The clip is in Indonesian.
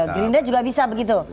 gelinda juga bisa begitu